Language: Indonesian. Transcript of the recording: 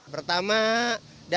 pertama dari bentuknya